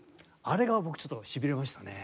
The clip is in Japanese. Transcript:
あれが僕ちょっとしびれましたね。